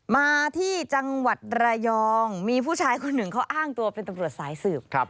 มาที่จังหวัดระยองมีผู้ชายคนหนึ่งเขาอ้างตัวเป็นตำรวจสายสืบ